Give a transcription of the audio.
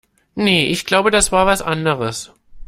Nee, ich glaube, das war was anderes.